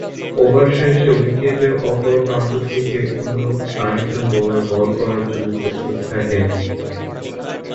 Over শেষে উইকেটের অপর প্রান্ত থেকে অন্য আরেকজন বোলার বল করার জন্য প্রস্তুত থাকেন।